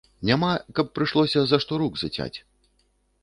Няма, каб прыйшлося, за што рук зацяць.